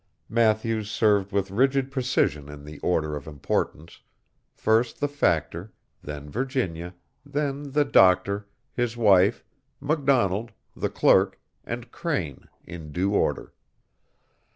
Matthews served with rigid precision in the order of importance, first the Factor, then Virginia, then the doctor, his wife, McDonald, the clerk, and Crane in due order.